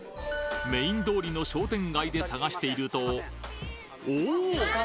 メイン通りの商店街で探しているとおっ！